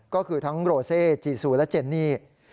ก็คือทั้งโรเซจีซูและเจนนี่